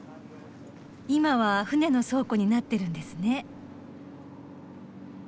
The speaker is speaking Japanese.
今は船の倉庫になってるんですね。